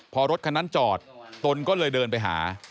พอรถคันนั้นจอดตนก็เลยเดินไปหา